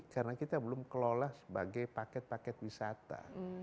karena kita belum kelola sebagai paket paket wisata